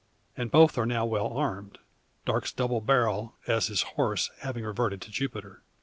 And both are now well armed Darke's double barrel, as his horse, having reverted to Jupiter.